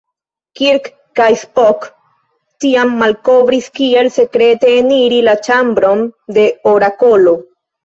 Kirk kaj Spock tiam malkovris kiel sekrete eniri la ĉambron de Orakolo.